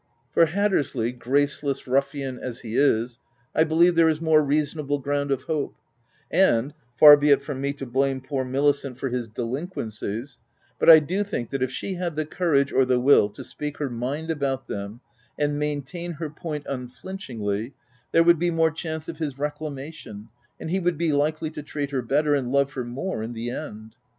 For Hattersley, graceless ruffian as he is, I believe there is more reasonable ground of hope ; and — far be it from me to blame poor Milicent for his delinquencies — but I do think that if she had the courage or the will to speak her mind about them, and main tain her point unflinchingly, there would be more chance of his reclamation, and he would be likely to treat her better, and love her more, in the end.